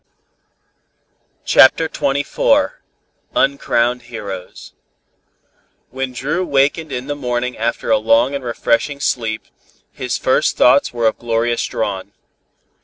CHAPTER XXIV UNCROWNED HEROES When Dru wakened in the morning after a long and refreshing sleep, his first thoughts were of Gloria Strawn.